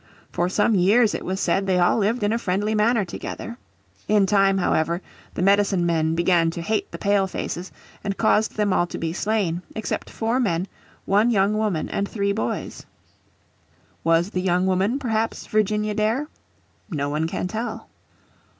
For some years it was said they lived in a friendly manner together. In time, however, the medicine men began to hate the Pale faces, and caused them all to be slain, except four men, one young woman, and three boys. Was the young woman perhaps Virginia Dare? No one can tell.